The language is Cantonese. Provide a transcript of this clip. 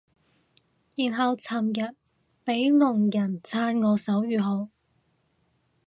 然後尋日俾聾人讚我手語好